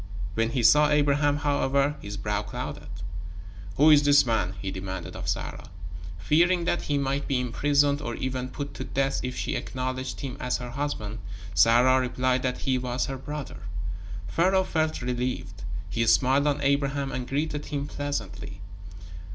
When he saw Abraham, however, his brow clouded. "Who is this man?" he demanded of Sarah. Fearing that he might be imprisoned, or even put to death if she acknowledged him as her husband, Sarah replied that he was her brother. Pharaoh felt relieved. He smiled on Abraham and greeted him pleasantly.